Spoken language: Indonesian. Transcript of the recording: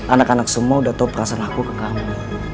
anak anak semua udah tau perasaan aku ke kamu